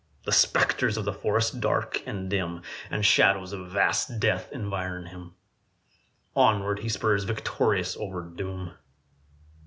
The spectres of the forest, dark and dim, And shadows of vast death environ him Onward he spurs victorious over doom.